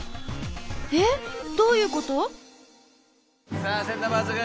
えっどういうこと？